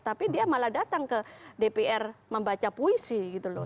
tapi dia malah datang ke dpr membaca puisi gitu loh